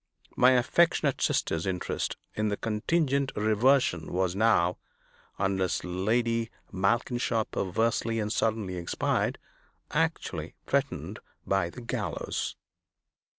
My affectionate sister's interest in the contingent reversion was now ( unless Lady Malkinshaw perversely and suddenly expired) actually threatened by the Gallows!